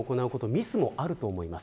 ミスもあると思います。